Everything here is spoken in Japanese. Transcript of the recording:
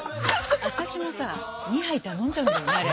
私もさ２杯頼んじゃうんだよねあれ。